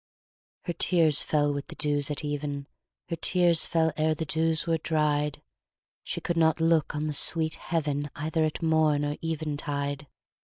Her tears fell with the dews at even; Her tears fell ere the dews were dried; She could not look on the sweet heaven, Either at morn or eventide.